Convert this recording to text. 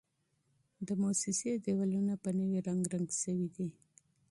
د موسسې دېوالونه په نوي رنګ رنګ شوي دي.